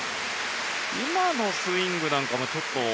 今のスイングなんかもちょっと。